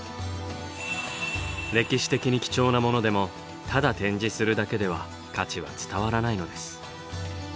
歴史的に貴重なものでもただ展示するだけでは価値は伝わらないのです。